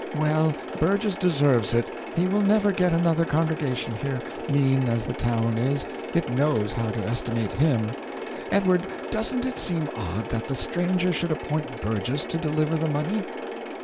"Well, Burgess deserves it he will never get another congregation here. Mean as the town is, it knows how to estimate HIM. Edward, doesn't it seem odd that the stranger should appoint Burgess to deliver the money?"